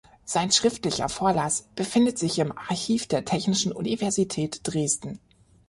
Sein schriftlicher Vorlass befindet sich im Archiv der Technischen Universität Dresden.